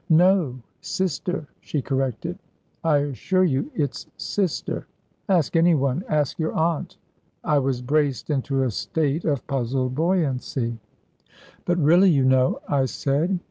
"No; sister," she corrected, "I assure you it's sister. Ask anyone ask your aunt." I was braced into a state of puzzled buoyancy. "But really, you know," I said.